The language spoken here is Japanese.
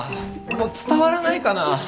伝わらないかな